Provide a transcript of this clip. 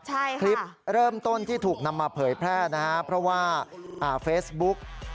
ใช่ค่ะคลิปเริ่มต้นที่ถูกนำมาเผยแพร่นะฮะเพราะว่าอ่าเฟซบุ๊ก